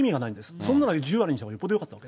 そんななら１０割のほうがよっぽどよかった。